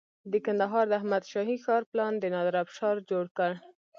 د کندهار د احمد شاهي ښار پلان د نادر افشار جوړ کړ